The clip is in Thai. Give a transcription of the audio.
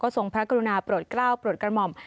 ทรงพระกรุณาโปรดกล้าวโปรดกระหม่อม